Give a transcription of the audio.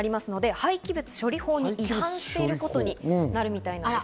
廃棄物処理法に違反してることになるみたいです。